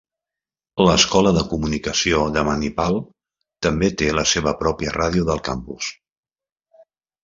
L'escola de comunicació de Manipal també té la seva pròpia ràdio del campus.